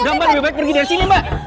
udah mak udah baik baik pergi dari sini mak